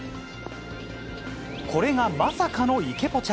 これがまさかの池ポチャ。